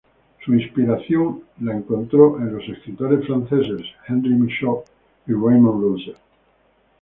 Su inspiración la encontró en los escritores franceses Henri Michaux y Raymond Roussel.